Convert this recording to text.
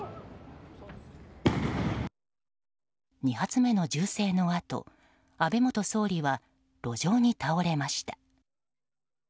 ２発目の銃声のあと安倍元総理は路上に倒れました。